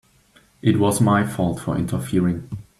It was my fault for interfering.